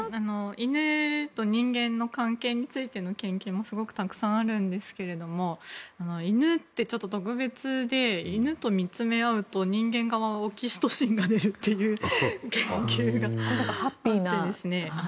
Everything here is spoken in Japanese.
犬と人間の関係についての研究もすごくたくさんあるんですけども犬って、ちょっと特別で犬と見つめ合うと人間側はオキシトシンが出るということが分かって。